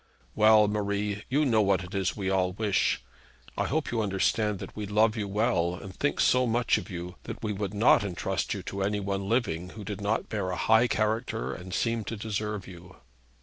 'Well, Marie, you know what it is we all wish. I hope you understand that we love you well, and think so much of you, that we would not intrust you to any one living, who did not bear a high character and seem to deserve you.'